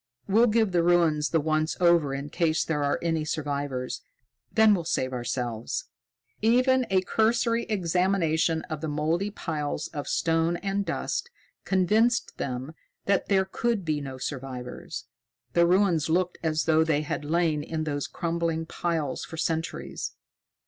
We'll give the ruins the once over in case there are any survivors; then we'll save ourselves." Even a cursory examination of the mouldy piles of stone and dust convinced them that there could be no survivors. The ruins looked as though they had lain in those crumbling piles for centuries.